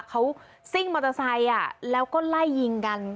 เขาซิ่งมอเตอร์ไซค์แล้วก็ไล่ยิงกัน